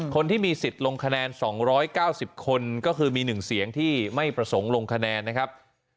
คนที่มีสิทธิ์ลงคะแนน๒๙๐คนก็คือมี๑เสียงที่ไม่ประสงค์ลงคะแนนนะครับ